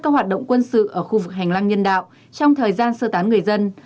các hoạt động quân sự ở khu vực hành lang nhân đạo trong thời gian sơ tán người dân